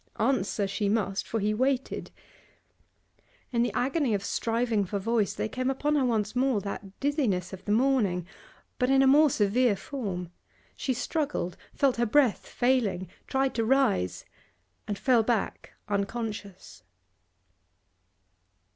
Answer she must, for he waited. In the agony of striving for voice there came upon her once more that dizziness of the morning, but in a more severe form. She struggled, felt her breath failing, tried to rise, and fell back unconscious.